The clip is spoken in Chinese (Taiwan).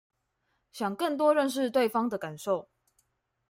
想更多認識對方的感受